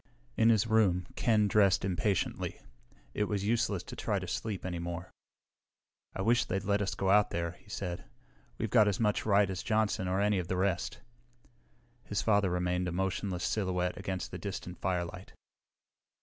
In his room, Ken dressed impatiently. It was useless to try to sleep any more. "I wish they'd let us go out there," he said. "We've got as much right as Johnson or any of the rest." His father remained a motionless silhouette against the distant firelight.